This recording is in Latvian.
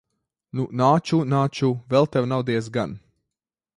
Nu, nāču, nāču. Vēl tev nav diezgan.